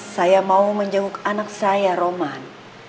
saya mau menjauh ke anak saya roman